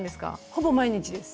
ほぼ毎日です。